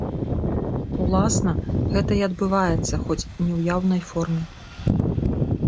Уласна, гэта і адбываецца, хоць не ў яўнай форме.